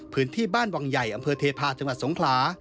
พื้นที่บ้านวังใหญ่อำเภอเทพาะจังหวัดสงขลา